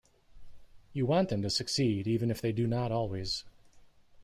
You want them to succeed, even if they do not always.